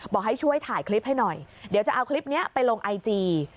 บอกให้ช่วยถ่ายคลิปให้หน่อยเดี๋ยวจะเอาคลิปนี้ไปลงไอจี